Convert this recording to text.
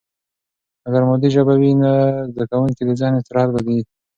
اگر مادي ژبه وي، نو د زده کوونکي د ذهن استراحت به دی.